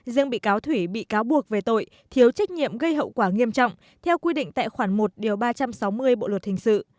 riêng bị cáo thủy bị cáo buộc về tội thiếu trách nhiệm gây hậu quả nghiêm trọng theo quy định tại khoản một điều ba trăm sáu mươi bộ luật hình sự